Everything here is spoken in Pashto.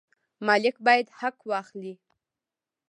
مالک باید حق واخلي.